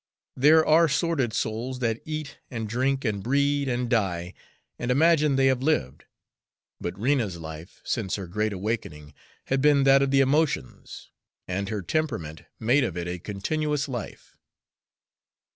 There are sordid souls that eat and drink and breed and die, and imagine they have lived. But Rena's life since her great awakening had been that of the emotions, and her temperament made of it a continuous life.